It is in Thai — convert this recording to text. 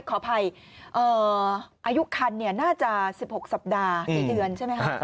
ขออภัยอายุคันเนี่ยน่าจะ๑๖สัปดาห์ที่เดือนใช่ไหมฮะ